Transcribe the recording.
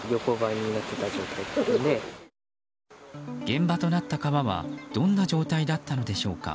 現場となった川はどんな状態だったのでしょうか。